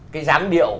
cái dáng điệu